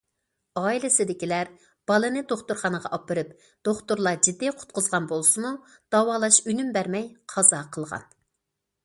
ئائىلىسىدىكىلەر بالىنى دوختۇرخانىغا ئاپىرىپ، دوختۇرلار جىددىي قۇتقۇزغان بولسىمۇ، داۋالاش ئۈنۈم بەرمەي قازا قىلغان.